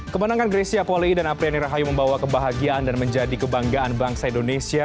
kemenangan grecia poli dan apriani rahayu membawa kebahagiaan dan menjadi kebanggaan bangsa indonesia